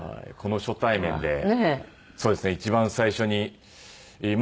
この初対面でそうですね一番最初に。